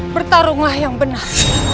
bertarunglah yang benar